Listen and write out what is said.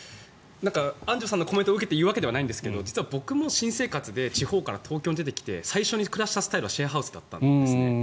アンジュさんのコメントを受けて言うわけじゃないんですけど実は僕も新生活で地方から東京に出てきて最初に暮らしたスタイルはシェアハウスだったんです。